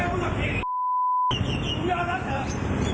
มึงก็สามารถทำกันได้